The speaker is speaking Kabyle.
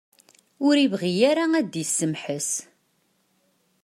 Ur ibɣi ara ad d-isemḥes.